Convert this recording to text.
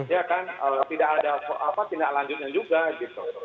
ya kan tidak ada tindak lanjutnya juga gitu